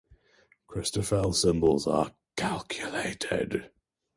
Christoffel symbols are calculated.